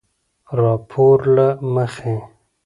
راپورله مخې